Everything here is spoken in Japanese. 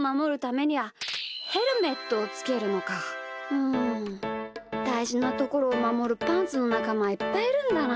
うんだいじなところをまもるパンツのなかまはいっぱいいるんだな。